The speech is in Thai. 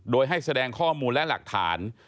โดยให้แสดงข้อมูลและหลักฐาน